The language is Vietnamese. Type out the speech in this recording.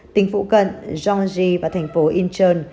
tỉnh phụ cận gyeonggi và thành phố incheon